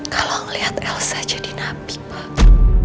kalau melihat elsa jadi nabi pak